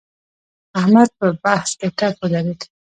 احمد په بحث کې ټپ ودرېد.